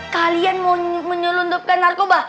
kalian mau menyelundupkan narkoba